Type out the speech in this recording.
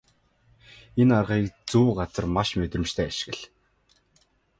Энэ аргыг зөв газар маш мэдрэмжтэй ашигла.